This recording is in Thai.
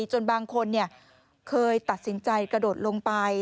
จนบางคนเคยตัดสินใจกระโดดลงไป